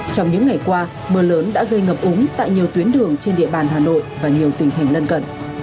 trong những ngày qua mưa lớn đã gây ngập úng tại nhiều tuyến đường trên địa bàn hà nội và nhiều tỉnh thành lân cận